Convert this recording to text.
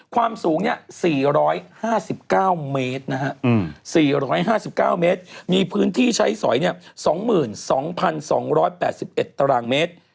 ความสูงเนี่ย๔๕๙เมตรนะครับ๔๕๙เมตรมีพื้นที่ใช้สอยเนี่ย๒๒๒๘๑ตารางเมตร